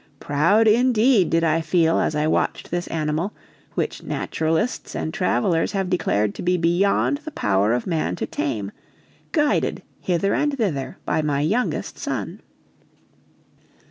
Proud, indeed, did I feel as I watched this animal, which naturalists and travelers have declared to be beyond the power of man to tame, guided hither and thither by my youngest son.